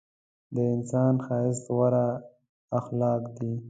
د انسان ښایست غوره اخلاق دي.